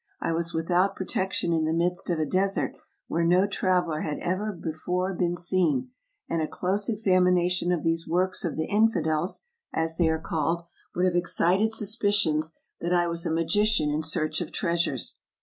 I was without protection in the midst of a desert where no traveler had ever before been seen, and a close examination of these works of the infidels, as they are called, would have excited suspicions that I was a magician in search of treasures.